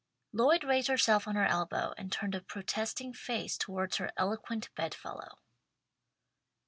Lloyd raised herself on her elbow and turned a protesting face towards her eloquent bed fellow.